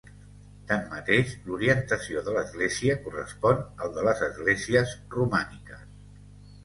Tanmateix, l'orientació de l'església correspon al de les esglésies romàniques.